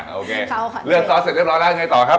โอเคค่ะเลือกซอสเสร็จเรียบร้อยแล้วยังไงต่อครับ